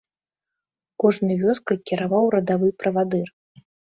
Кожнай вёскай кіраваў радавы правадыр.